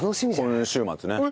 今週末ね。